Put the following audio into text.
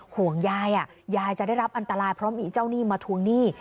ห่วงยายยายจะได้รับอันตรายเพราะมีเจ้าหนี้มาทวงหนี้